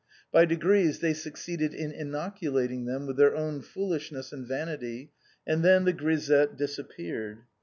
By degrees they succeeded in inoculating them with their own foolishness and vanity, and then the grisette disappeared.